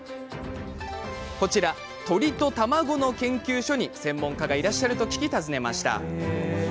こちら鶏と卵の研究所に専門家がいると聞き、訪ねました。